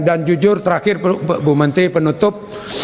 dan jujur terakhir bu menteri penutup